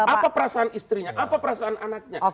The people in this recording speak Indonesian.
apa perasaan istrinya apa perasaan anaknya